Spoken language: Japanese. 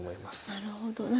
なるほど。